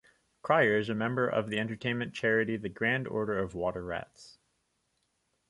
Cryer is a member of the entertainment charity the Grand Order of Water Rats.